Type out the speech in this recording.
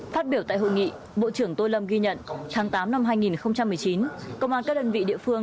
phát biểu tại hội nghị bộ trưởng tô lâm ghi nhận tháng tám năm hai nghìn một mươi chín công an các đơn vị địa phương